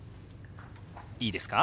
いいですか？